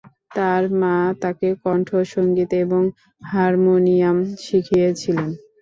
তাঁর মা তাঁকে কন্ঠ সংগীত এবং হারমোনিয়াম শিখিয়েছিলেন।